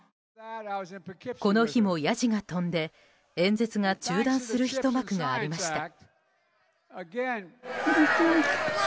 この日もヤジが飛んで演説が中断するひと幕がありました。